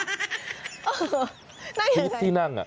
สิทธิ์ที่นั่ง